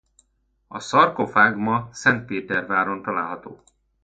A szarkofág ma Szentpéterváron található.